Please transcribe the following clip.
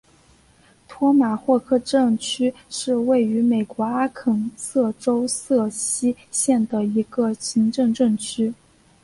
托马霍克镇区是位于美国阿肯色州瑟西县的一个行政镇区。